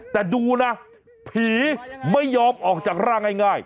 แต่ดูนะผีไม่ยอมออกจากร่างง่าย